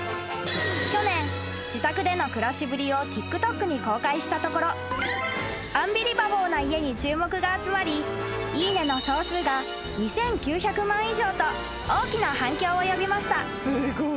［去年自宅での暮らしぶりをＴｉｋＴｏｋに公開したところアンビリバボーな家に注目が集まりいいねの総数が２，９００万以上と大きな反響を呼びました］